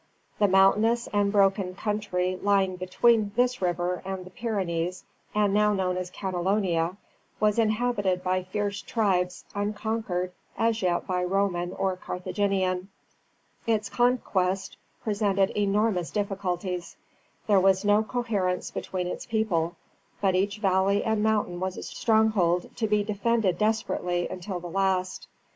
The mountainous and broken country lying between this river and the Pyrenees, and now known as Catalonia, was inhabited by fierce tribes unconquered as yet by Roman or Carthaginian. Its conquest presented enormous difficulties. There was no coherence between its people; but each valley and mountain was a stronghold to be defended desperately until the last.